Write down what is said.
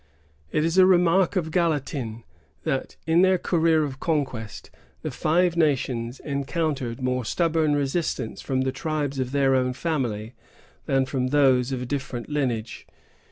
It is a remark of Gallatin, that, in their career of conquest, the Five Nations encountered more stubborn resistance from the tribes of their own family, than from those of a different lineage.